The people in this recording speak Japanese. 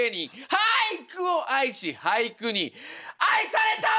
俳句を愛し俳句に愛された男！